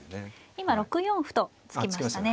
今６四歩と突きましたね。